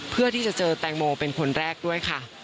เพื่อที่จะเจอแตงโมเป็นคนแรกด้วยค่ะ